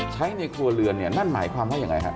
ใช้ในครัวเรือนเนี่ยมันหมายความว่าอย่างไรครับ